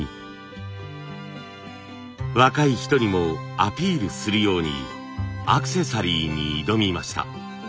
若い人にもアピールするようにアクセサリーに挑みました。